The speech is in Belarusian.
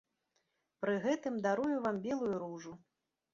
Пры гэтым дарую вам белую ружу.